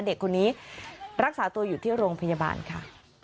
เด็กคนนี้รักษาตัวอยู่ที่โรงพยาบาลค่ะ